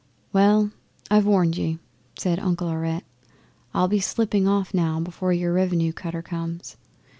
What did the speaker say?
'"Well, I've warned ye," says Uncle Aurette. "I'll be slipping off now before your Revenue cutter comes.